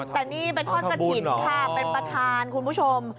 แต่นี่เป็นทอดกระถิ่นค่ะเป็นประธานคุณผู้ชม